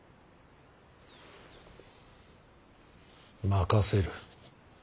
任せる。